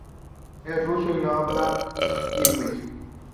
Es ruso y no habla kirguís.